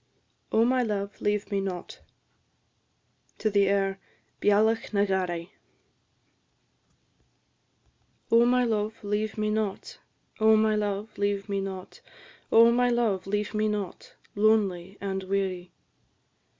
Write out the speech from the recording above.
OH, MY LOVE, LEAVE ME NOT! AIR "Bealach na Gharraidh." Oh, my love, leave me not! Oh, my love, leave me not! Oh, my love, leave me not! Lonely and weary.